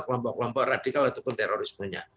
kelompok kelompok radikal ataupun terorismenya